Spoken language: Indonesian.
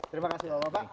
terima kasih bapak bapak